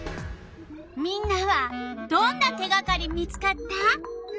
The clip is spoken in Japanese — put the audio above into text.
みんなはどんな手がかり見つかった？